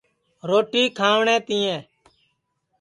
روٹی کھاوٹؔیں تِئیں